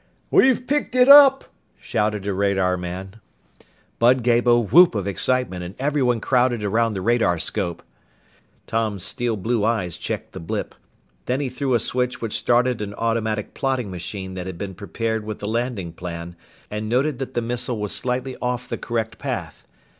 "We've picked it up!" shouted a radarman. Bud gave a whoop of excitement and everyone crowded around the radarscope. Tom's steel blue eyes checked the blip. Then he threw a switch which started an automatic plotting machine that had been prepared with the landing plan, and noted that the missile was slightly off the correct path.